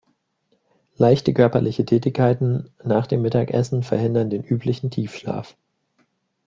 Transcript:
Leichte körperliche Tätigkeiten nach dem Mittagessen verhindern den üblichen Tiefschlaf.